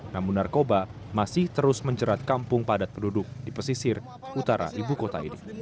namun narkoba masih terus menjerat kampung padat penduduk di pesisir utara ibu kota ini